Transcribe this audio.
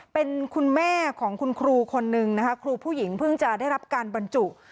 เป็นคุณแม่ของคุณครูคนนึงนะคะครูผู้หญิงเพิ่งจะได้รับการบรรจุ